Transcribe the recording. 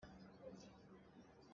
Aa ren ngai.